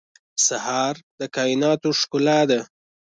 سهار د کایناتو ښکلا ده.